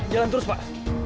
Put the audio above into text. jalan terus pak